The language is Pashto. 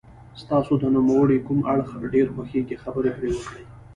ستاسو د نوموړي کوم اړخ ډېر خوښیږي خبرې پرې وکړئ.